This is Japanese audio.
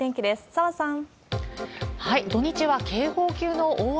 澤さん。